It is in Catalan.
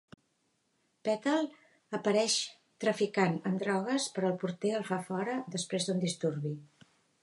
Petal apareix traficant amb drogues, però el porter el fa fora després d'un disturbi.